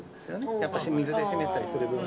やっぱし水でしめたりする分。